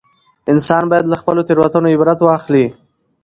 انسان باید له خپلو تېروتنو عبرت واخلي